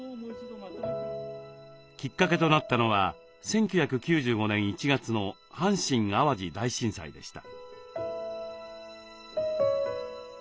きっかけとなったのは１９９５年１月の阪神・淡路大震災でした。